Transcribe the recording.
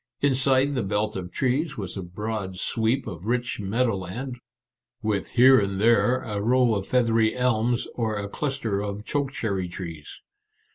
Inside the belt of trees was a broad sweep of rich meadow land, with here and there a row of feathery elms or a cluster of choke cherry trees.